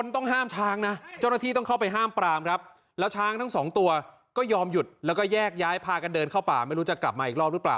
ต้องห้ามช้างนะเจ้าหน้าที่ต้องเข้าไปห้ามปรามครับแล้วช้างทั้งสองตัวก็ยอมหยุดแล้วก็แยกย้ายพากันเดินเข้าป่าไม่รู้จะกลับมาอีกรอบหรือเปล่า